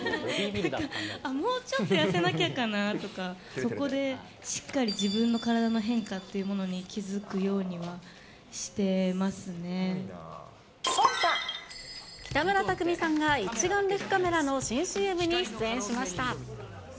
もうちょっと痩せなきゃかなとか、そこでしっかり自分の体の変化というものに気付くようにはしてま北村匠海さんが一眼レフカメラの新ＣＭに出演しました。